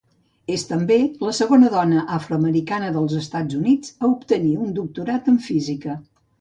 És també la segona dona afroamericana dels Estats Units a obtenir un doctorat en física.